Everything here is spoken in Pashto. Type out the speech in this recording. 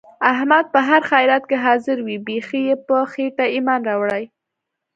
احمد په هر خیرات کې حاضر وي. بیخي یې په خېټه ایمان راوړی.